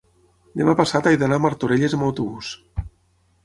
demà passat he d'anar a Martorelles amb autobús.